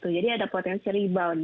jadi ada potensi rebound